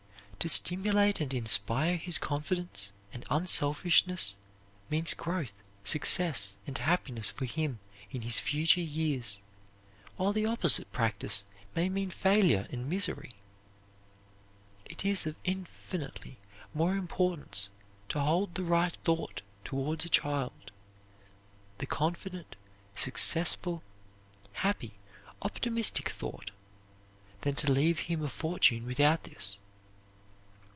To stimulate and inspire his confidence and unselfishness means growth, success, and happiness for him in his future years, while the opposite practice may mean failure and misery. It is of infinitely more importance to hold the right thought towards a child, the confident, successful, happy, optimistic thought, than to leave him a fortune without this.